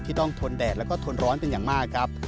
ต้องทนแดดแล้วก็ทนร้อนเป็นอย่างมากครับ